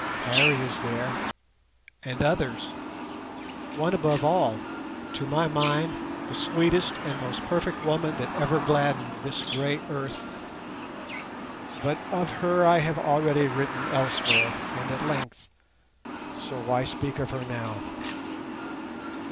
Harry is there, and others; one above all, to my mind the sweetest and most perfect woman that ever gladdened this grey earth. But of her I have already written elsewhere, and at length, so why speak of her now?